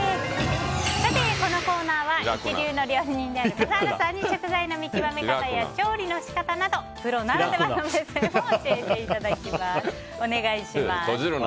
このコーナーは一流料理人である笠原さんに食材の見極め方や調理の仕方などプロならではの目線を教えていただきます。